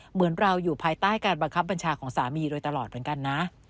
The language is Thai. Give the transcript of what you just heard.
เหมือนเราอยู่ภายใต้การบังคับบัญชาของสามีโดยตลอดเหมือนกันนะ